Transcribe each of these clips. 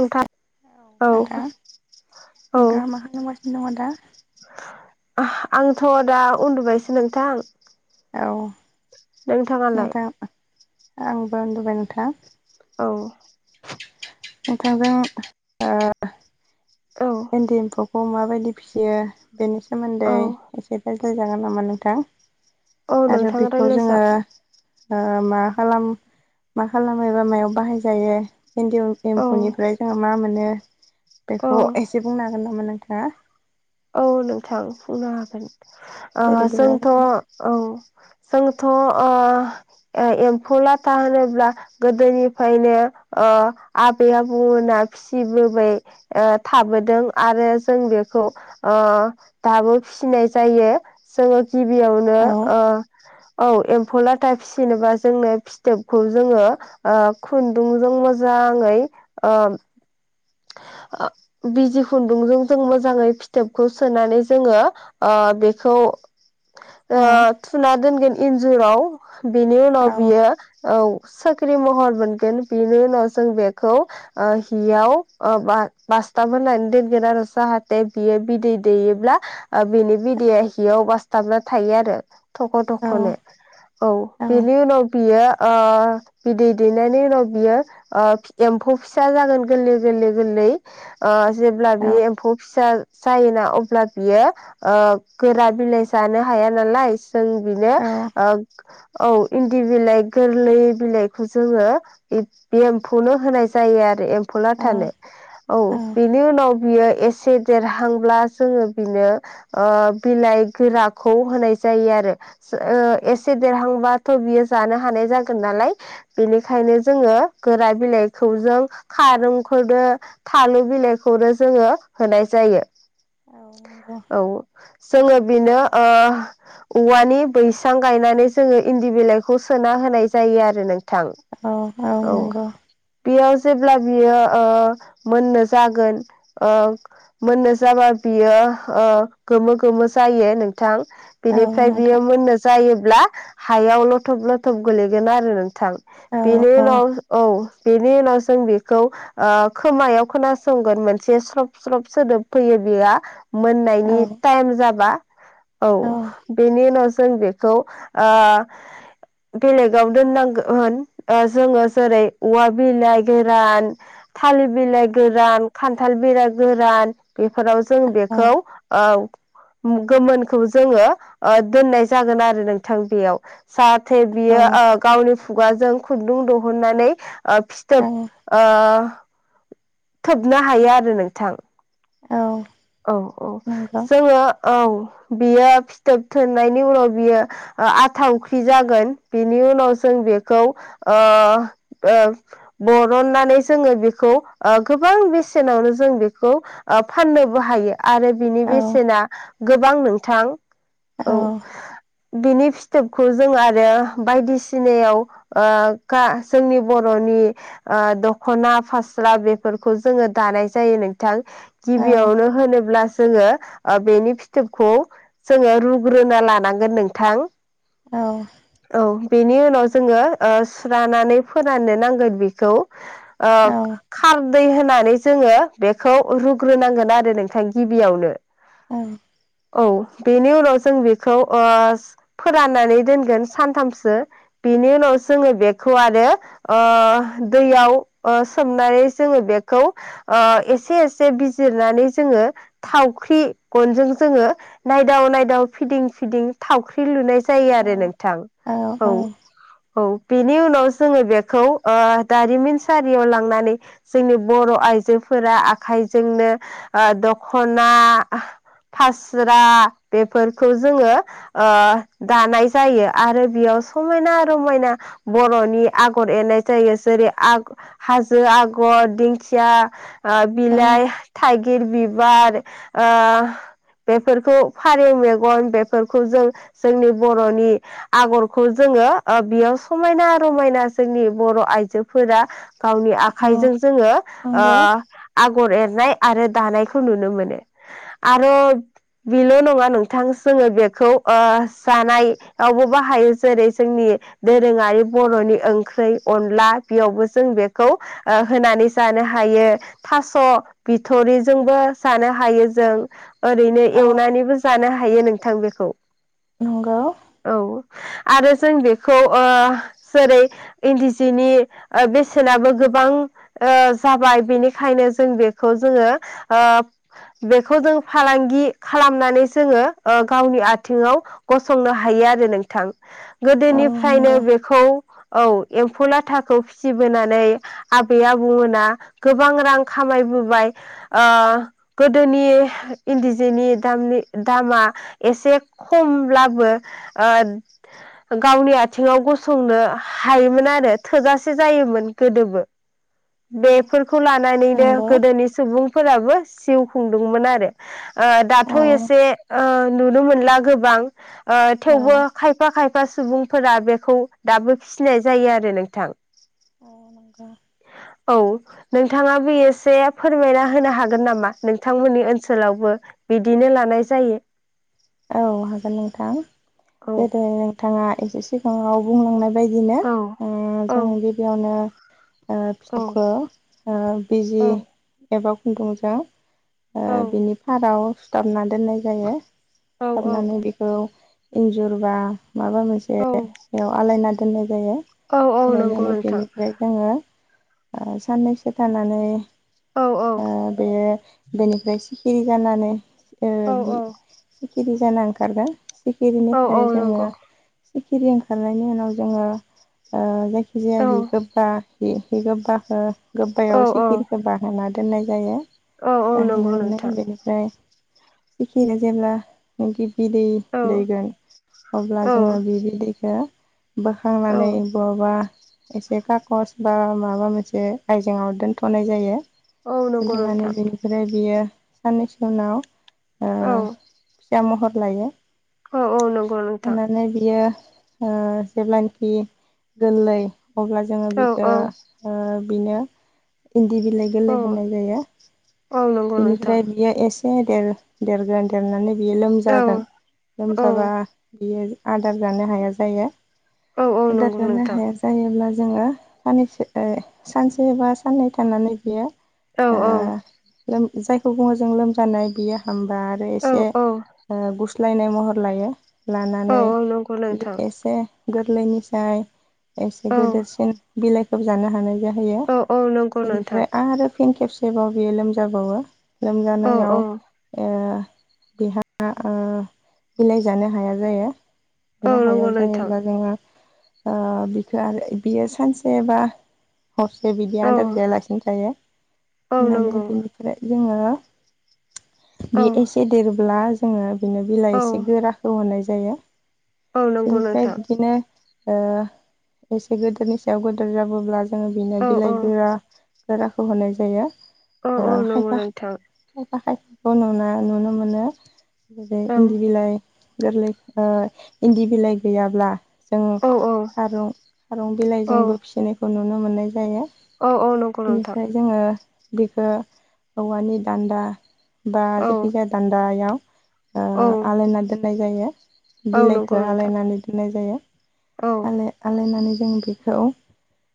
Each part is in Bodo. नोंथां औ औ नोंथाङा मा खालामगासिनो दङ दा? आंथ' दा उन्दुबायसो नोंथां औ नोंथाङालाय आं बा उन्दुबाय नोंथां औ नोंथांजों ओ औ एन्दि एम्फौ खौ माबायदि फिसियो बेनि सोमोन्दै औ एसे सावराय जागोन नामा नोंथां औ आरो नोंथां बेखौ रायलाय जोङो जागोन ओ मा खालाम मा खालामोबा मायाव बाहायजायो इन्दि औ एम्फौनिफ्राय जोङो मा मोनो औ बेखौ एसे बुंनो हागोन नामा नों हा औ नोंथां बुंनो हागोन ओ दे बिदिब्ला जोंथ' बुंनाय औ जोंथ'ओ एम्फौ लाथा होनोब्ला गोदोनिफ्रायनो ओ आबै आबौमोना फिसिबोबाय ओ थाबोदों आरो जों बेखौ ओ दाबो फिसिनाय जायो जोङो गिबियावनो औ ओ औ एम्फौ लाथा फिसिनोबा जोंनो फिथोबखौ जोङो ओ खुन्दुंजों मोजाङै ओ ओ बिजि खुन्दुंजों जों मोजाङै फिथोबखौ सोनानै जोङो ओ बेखौ औ ओ थुना दोनगोन इन्जुराव बिनि औ उनाव बियो औ सोख्रि महर मोनगोन बिनि उनाव जों बेखौ ओ हियाव ओ बा बासथाब होनानै दोनगोन आरो जाहाथे बियो बिदै दैयोब्ला ओ बिनि बिदैया हियाव बासथाबना थायो आरो थख' औ थख'नो औ बेनि उनाव बियो ओ बिदै दैनायनि उनाव बियो ओ एम्फौ फिसा जागोन गोरलै गोरलै गोरलै ओ जेब्ला औ बे एम्फौ फिसा जायोना अब्ला बियो ओ गोरा बिलाइ जानो हाया नालाय जों बिनो औ ओ औ इन्दि बिलाइ गोरलै बिलाइखौ जोङो बे एम्फौनो होनाय जायो आरो एम्फौ ला औ थानो औ बेनि उनाव बियो एसे देरहांब्ला जोङो बिनो ओ बिलाइ गोराखौ होनाय जायो आरो सो ओ नंगौ एसे देरहांबाथ बियो जानो हानाय जागोन नालाय बेनिखायनो औ जोङो गोरा बिलाइ खौ जों खारुं खौनो थालु बिलाइखौनो जोङो होनाय जायो नंगौ औ जोङो बेनो ओ औवानि बैसां गायनानै जोङो इन्दि बिलाइखौ सोना होनाय जायो आरो नों औ औ नंगौ बेयाव जेब्ला बियो ओ मोननो जागोन ओ मोननो जाबा बियो गोमो गोमो जायो नोंथां औ बिनिफ्राय नोंथां बियो मोननो जायो ब्ला हायाव लथब लथब गोलैगोन आरो थां औ बेनि औ उनाव औ बेनि उनाव जों बेखौ ओ खोमायाव खोनासंगोन मोनसे स्रब स्रब सोदोब फैयो बेयो औ मोननायनि टाइम जाबा औ बेनि न जों बेखौ ओ बेलेगाव दोननांगोन होन ओ जोङो जेरै औवा बिलाइ गोरान थालिर बिलाइ गोरान खान्थाल खान्थाल बेरा गोरान बेफोराव जों बेखौ औ गोमोनखौ जोङो ओ दोननाय जागोन आरो नोंथां बेयाव सा नाथाय औ बियो ओ गावनि खुगाजों खुन्दुं दिहुननानै ओ फिथोब ओ थोबनो हायो आरो नोंथां औ औ नंगौ जोङो औ बियो फिथोब थोननायनि उनाव बियो आथावख्रि जागोन बेनि उनाव जों बेखौ ओ ओ बरननानै जोङो बेखौ गोबां बेसेनावनो जों बेखौ फाननोबो हायो आरो बिनि औ बेसेना गोबां नोंथां औ बिनि फिथोबखौ जों आरो बायदिसिनायाव ओ गा जोंनि बर'नि दखना फास्रा बेफोरखौ जोङो दानाय जायो नोंथां औ गिबियावनो होनोब्ला जोङो ओ बेनि फिथोबखौ जोङो रुग्रोना लानांगोन नोंथां औ औ बेनि उनाव जोङो ओ सुुस्रानानै फोराननो नांगोन बेखौ ओ औ खार दै होनानै जोङो बेखौ रुग ग्रोनांगोन आरो नोंथां गिबियावनो औ औ बेनि उनाव जों बेखौ ओ फोराननानै दोनगोन सानथामसो बेनि उनाव जोङो बेखौ आरो ओ दैयाव ओ सोमनानै जोङो बेखौ ओ एसे एसे बि जिरनानै जोङो थावख्रि गनजों जोङो नायदाव नायदाव फिदिं फिदिं थावख्रि लुनाय जायो आरो नों थां औ औ बेनि उनाव जोङो बेखौ ओ दारिमिनसारियाव लांनानै जोंनि बर' आइजोफोरा आखाइजों जोंनो ओ दखना फास्रा बेफोरखौ जोङो ओ दानाय जायो आरो बेयाव समायना रमायना बर'नि आगर एरनाय जायो जेरै आग हाजो आगर दिंखिया ओ औ बिलाइ थाइगिर बिबार ओ बेफोरखौ फारौ मेगन बेफोरखौ जों जोंनि बर'नि आगरखौ जोङो ओ बेयाव समायना रमायना जोंनि बर' आइजोफोरा गावनि आखाइजों जोङो ओ आगर एर नाय आरो दानायखौ नुनो मोनो आरो बेल नङा नोंथां जोङो बेखौ ओ जानायावबो बाहायो जेरै जोंनि दोरोङारि बर'नि ओंख्रि अनला बेयावबो जों बेखौ ओ होनानै जानो हायो थास बिथरिजोंबो जानो हायो जों ओरैनो एवनानैबो जानो हायो हायो नोंथां बेखौ नंगौ औ आरो जों बेखौ ओ जेरै इन्दि जिनि ओ बेसेनाबो गोबां ओ जाबाय बेनिखायनो जों बे खौ जोङो ओ बेखौ जों फालांगि खालामनानै जोङो ओ गावनि आथिङाव गसंनो हायो आरो नोंथां औ नंगौ औ गोदोनिफ्रायनो नंगौ बेखौ औ एम्फौ लाथाखौ फिसिबोनानै आबै आबौमोना गोबां रां खामायबो बाय ओ गोदोनि इन्दिजिनि दामा एसे खमब्लाबो ओ गावनि आथिङाव गसंनो हायोमोन आरो थोजासे जायोमोन गोदोबो औ बेफोरखौ लानानै नंगौ गोदोनि सुबुंफोराबो जिउ खुंदोंमोन आरो ओ औ दाथ' एसे ओ नुनो मोनला गोबां ओ औ थेवबो खायफा खायफा सुबुंफोरा बेखौ दाबो फिसिनाय जायो आरो नोंथां नंगौ औ नोंथाङा बे एस या फोरमायना होनो हागोन नामा नोंथांमोननि ओनसोलावबो बिदिनो लानाय जायो औ हागोन नोंथां औ जेरै नोंथाङा एसे सिगाङाव बुंलांनाय बेबायदिनो औ ओ औ जों गिबियावनो [inaudible] ओ औ फिथौखौ ओ बिजि औ एबा खुन्दुंजों ओ औ बिनि फाराव दामना दोननाय जायो औ सिथाबनानै बेखौ इनजुरबा माबा मोनसे औ बेयाव आलायना दोननाय जायो औ औ नंगौ रायनानै नोंथां बेनिफ्राय जोङो ओ साननैसो थानानै औ ओ बेयो बेनिफ्राय [unintelligible] जानानै ओ औ बिख सिखिरि जाना ओंखारगोन औ सिखिगिरिनिफ्राय जोङो नंगौ सिखिरि ओंखारनायनि उनाव जोङो ओ जाखि जाया औ हि गोबा हि सि गोबाखौ औ गोबायाव सिखिरिखौ बाहोना दोननाय जायो औ औ नंगौ नोंथा खिना जेब्ला बिदै औ दैगोन अब्ला औ जोङो बि बिदैखो औ बोखांनानै बहाबा एसे खागस बा माबा मोनसे आयजेंआव दोनथ'नाय जायो औ नंगौ दोनथ'नानै नोंथां बेनिफ्राय बियो साननैसो उनाव ओ फिसामहर लायो अ औ नोंगौ नोथां लानानै बियो ओ जेब्लानाखि गोरलै अब्ला जोङो औ बेखो औ बिनो इन्दि बिलाय गोरलै औ होनाय जायो औ नंगौ नोंथां बिनिफ्राय बियो एस एसे देर देरगोन देरनानै बियो औ लोमजागोन औ लोमजाबा बियो आदार जानो हाया जायो औ आदार नंगौ होनो नोंथां हाया जायोब्ला जोङो सानैसो ओ सानसे बा साननै थानानै बियो औ ओ औ जायखौ बुङो जों लोमजानाय बियो हाम आरो एसे औ ओ गुस लायनाय महर लायो लानानै औ नंगौ नोंथां एसे गोरलैनि साय औ एसे गोदोरसिन बिलाइ लोबजानो हानाय औ नंगौ [unintelligible] नोंथां बेनिफ्राय आरो आरो फिन खेबसे [unintelligible] जाबावो औ लोमजानायाव बेहा ओ बिलाय जानो हाया जायो औ नो हाया नंगौ जायोब्ला नोंथां जोङो ओ बिखो आरो बियो सानसेबा हरसे बिदि औ आदार जायालासिनो थायो होननानै नंगौ बि जोङो औ बे एसे देरोब्ला जोङो बिदिनो औ बिलाइ एसे गोराखौ होनाय जायो औ नंगौ बेनिफ्राय नोंथां बिदिनो ओ एसे गोदोरनि सायाव गोदोर जाबोब्ला जोङो बिनो औ बिलाइ गोरा गोराखौ होनाय जायो औ औ नंगौ नोंथां फोरखौ नु नुनो मोनो औ इन्दि बिलाइ गोरलै ओ इन्दि बिलाइ गैयाब्ला जोङो औ खार खारं औ बिलाइजोंबो फिसिनायखौ नुनो नुनो मोननाय जायो औ औ नंगौ नोंथां बिखौ औवानि दान्दा बा औ जेखिजाया दान्दायाव ओ औ आलायना दोननाय जायो औ नंगौ बिलाइखौ नोंथां आलायनानै दोननाय जायो औ आलायनानै जों बेखौ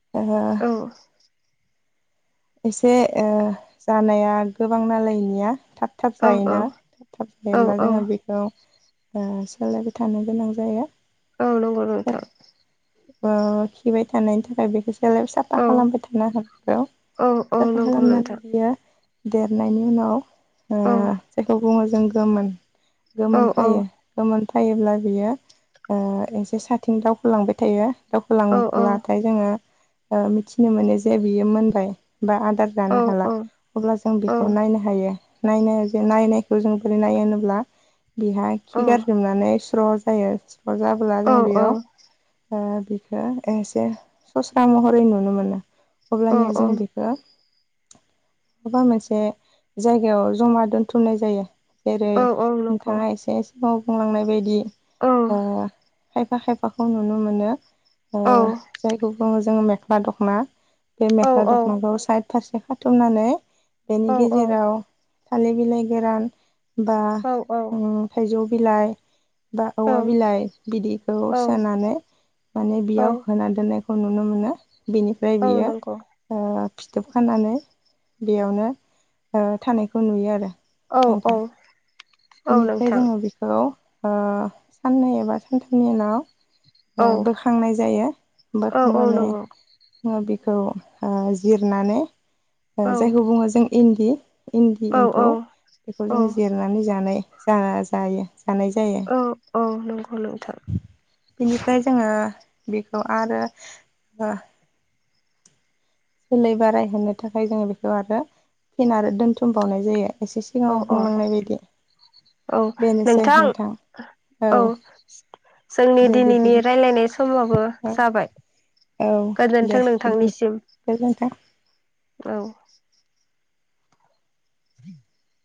ओ औ एसे ओ जानाया गोबां नालाय इनिया थाब थाब औ जायोना थाब थाब औ जायोब्ला औ जोङो बेखौ ओ सोलायबाय थानो गोनां जाया औ नंगौ नोंथां अ खिबाय थानायनि थाखाय बेखौ लाय साफा औ खालामबाय थानो नांगौ औ औ साफा नंगौ खालामनानै नोंथां बियो देरनायनि उनाव ओ औ जायखौ बुङो जों गोमोन गोमोन औ औ फायो गोमोन थायोब्ला बियो ओ एसे साथिं दाउखौ लांबाय थायो औ दावखोलांब्लाथाय जोङो ओ मिथिनो मोनो जे बियो मोनबाय बा आदार औ जानो हाला अब्ला जों औ बेखौ नायनो हायो नायनो ज नायनायखौ जों बोरै नायो होनोब्ला बिहा खि गारजोबनानै स्र' [unintelligible] स्र जाब्ला औ जों बेयाव ओ बिखौ एसे सस्रा महरै नुनो मोनो अब्लानिया जों बेखौ माबा मोनसे जायगायाव जमा दोनथुमनाय जायो जेरै औ नंगौ नोंथाङा एसे मावफुंलांनाय बायदि औ अ खायफा खायफाखौनो नुनो मोनो ओ जायखौ बुङो जोङो मे खला दखना बे मेखला दखनाखौ साइद फारसे खाथुमनानै बेनि औ औ गेजेराव थालिर बिलाइ गोरान बा उ थाइजौ बिलाइ बा औवा बिलाइ बिदिखौ औ सोनानै माने बेयाव औ होना दोननाय खौ नुनो मोनो बिनिफ्राय औ बियो नंगौ ओ फिथोबखानानै बेयावनो ओ थानायखौ नुयो आरो औ नोंथां औ औ बेनिफ्राय नोंथां जोङो बेखौ ओ साननै एबा सानथामनि उनाव औ ओ बोखांनाय जायो औ औ बोखांनानै नंगौ जोङो बे खौ ओ जिरनानै ओ औ जायखौ बुङो जों इन्दि इन्दि औ एम्फौ औ बेखौ औ जों जिरनानै [unintelligible] जायो जानाय जायो औ औ नंगौ नोंथां बिनिफ्राय जोङो बेखौ आरो जोलै बारायहोनो थाखाय जोङो बेखौ आरो फिन आरो दोनथुमबावनाय जायो एसे औ सिगाङाव औ बुंलांनाय बायदि औ नोंथां औ जोंनि दे दिनैनि बिदिब्ला रायलायनाय समाबो जाबाय औ दे गोजोन्थों बिदिब्ला नोंथांनिसिम गोजोनथों औ [unintelligible]